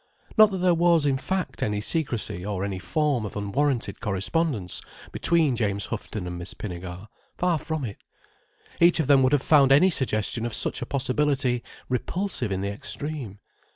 Not that there was, in fact, any secrecy, or any form of unwarranted correspondence between James Houghton and Miss Pinnegar. Far from it. Each of them would have found any suggestion of such a possibility repulsive in the extreme.